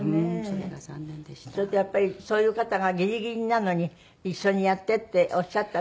それとやっぱりそういう方がギリギリなのに「一緒にやって」っておっしゃったっていう事がね。